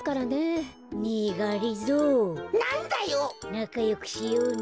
なかよくしようね。